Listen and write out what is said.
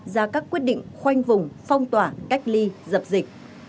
ra các quyết định khoanh vùng phong tỏa cách ly dập dịch